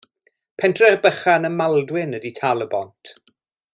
Pentre bychan ym Maldwyn ydy Tal-y-bont.